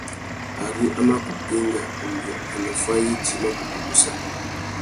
Ari a mà kutu enga umbiô, anôffô ayê idjï i mà kutu gussa.